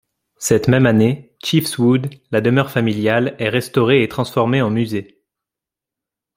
Cette même année, Chiefswood, la demeure familiale, est restaurée et transformée en musée.